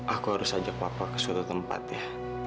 aku harus ajak bapak ke suatu tempat ya